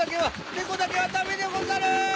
ネコだけはダメでござる！